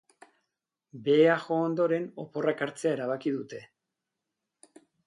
Behea jo ondoren, oporrak hartzea erabakiko dute.